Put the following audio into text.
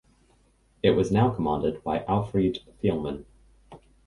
It was now commanded by Alfried Thielmann.